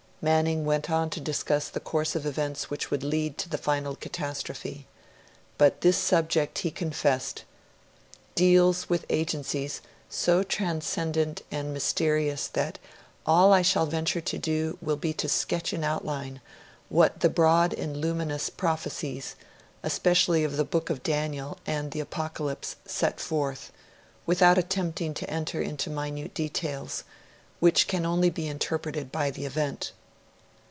Manning went on to discuss the course of events which would lead to the final catastrophe. But this subject, he confessed, 'deals with agencies so transcendent and mysterious, that all I shall venture to do will be to sketch in outline what the broad and luminous prophecies, especially of the Book of Daniel and the Apocalypse, set forth without attempting to enter into minute details, which can only be interpreted by the event'.